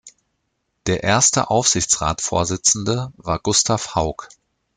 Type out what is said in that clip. Der erste Aufsichtsratsvorsitzende war Gustav Hauck.